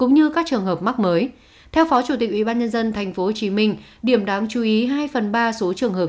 như các trường hợp mắc mới theo phó chủ tịch ubnd tp hcm điểm đáng chú ý hai phần ba số trường hợp